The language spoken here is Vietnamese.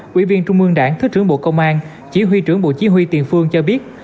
quỹ viên trung mương đảng thứ trưởng bộ công an chỉ huy trưởng bộ chí huy tiền phương cho biết